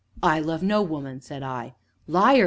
"I love no woman," said I. "Liar!"